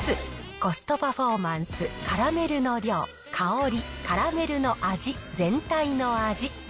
コストパフォーマンス、カラメルの量、香り、カラメルの味、全体の味。